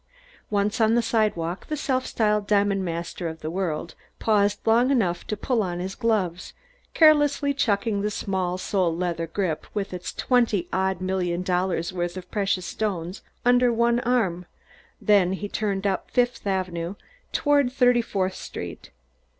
Once on the sidewalk the self styled diamond master of the world paused long enough to pull on his gloves, carelessly chucking the small sole leather grip with its twenty odd million dollars' worth of precious stones under one arm; then he turned up Fifth Avenue toward Thirty fourth Street.